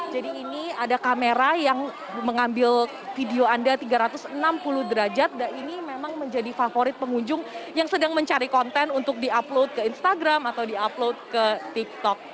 jadi ini ada kamera yang mengambil video anda tiga ratus enam puluh derajat dan ini memang menjadi favorit pengunjung yang sedang mencari konten untuk di upload ke instagram atau di upload ke tiktok